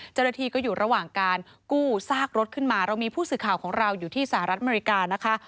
เจ้าหน้าที่ก็อยู่ระหว่างการกู้ซากรถขึ้นมาเรามีผู้สื่อข่าวของเราอยู่ที่สหรัฐอเมริกานะคะ